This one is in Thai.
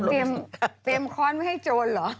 เตรียมค้อนไว้ให้โจรเหรอ